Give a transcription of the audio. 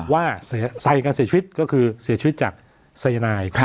ว่าสายเห็นการเสียชีวิตก็คือเสียชีวิตจากสยนัย